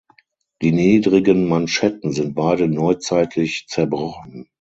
Die niedrigen Manschetten sind beide neuzeitlich zerbrochen.